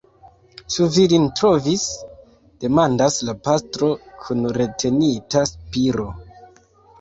Ĉu vi lin trovis?demandas la pastro kun retenita spiro.